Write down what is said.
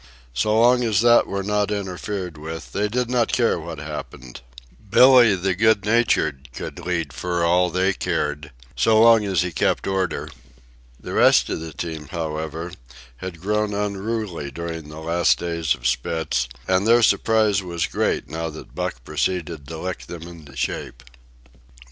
So long as that were not interfered with, they did not care what happened. Billee, the good natured, could lead for all they cared, so long as he kept order. The rest of the team, however, had grown unruly during the last days of Spitz, and their surprise was great now that Buck proceeded to lick them into shape.